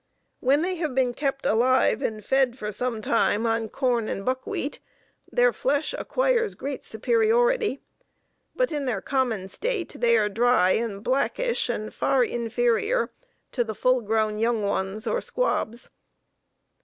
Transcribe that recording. When they have been kept alive and fed for some time on corn and buckwheat their flesh acquires great superiority; but, in their common state, they are dry and blackish and far inferior to the full grown young ones or squabs.